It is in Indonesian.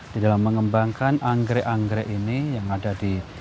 di dalam mengembangkan anggrek anggrek ini yang ada di